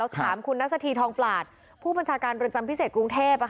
ถามคุณนัสธีทองปลาผู้บัญชาการเรือนจำพิเศษกรุงเทพ